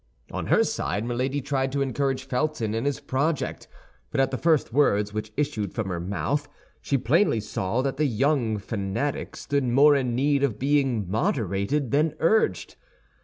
On her side, Milady tried to encourage Felton in his project; but at the first words which issued from her mouth, she plainly saw that the young fanatic stood more in need of being moderated than urged.